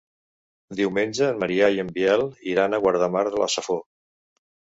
Diumenge en Maria i en Biel iran a Guardamar de la Safor.